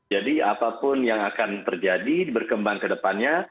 jadi apapun yang akan terjadi berkembang kedepannya